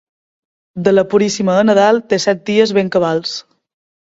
De la Puríssima a Nadal, disset dies ben cabals.